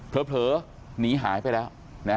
เผลอหนีหายไปแล้ว